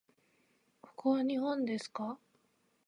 ここは日本ですか？